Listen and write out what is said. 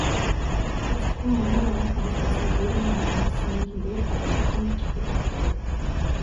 Тэд чухам ямар ямар хүмүүс байсныг өөрийн олж мэдсэний хэрээр тодорхойлон бичих гэж оролдъё.